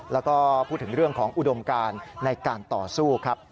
แล้วก็พูดถึงเรื่องของอุดมการในการต่อสู้ครับ